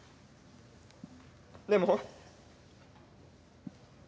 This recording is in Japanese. でも。